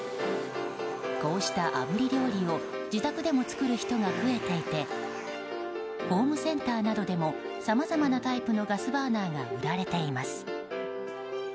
こうした、あぶり料理を自宅でも作る人が増えていてホームセンターなどでもさまざまなタイプのガスバーナーが売られています。